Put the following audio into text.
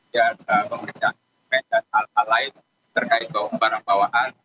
dan pekerjaan kemudian hal hal lain terkait ke barang bawaan